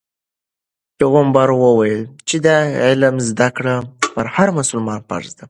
پیغمبر وویل چې د علم زده کړه په هر مسلمان فرض ده.